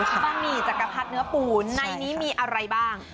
บะหมี่จักรพรรดิเนื้อปูในนี้มีอะไรบ้าง